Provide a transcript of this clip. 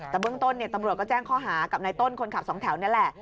แต่เบื้องต้นตำรวจก็แจ้งข้อหากับนายต้นคนขับสองแถวนี่แหละ